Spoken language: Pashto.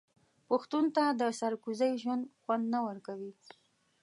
پښتون ته د سرکوزۍ ژوند خوند نه ورکوي.